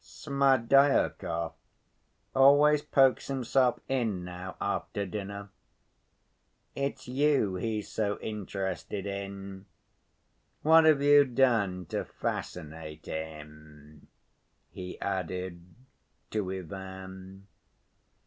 "Smerdyakov always pokes himself in now, after dinner. It's you he's so interested in. What have you done to fascinate him?" he added to Ivan.